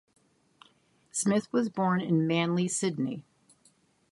Smith was born in Manly, Sydney.